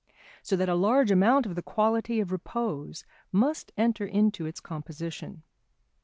So that a large amount of the quality of repose must enter into its composition.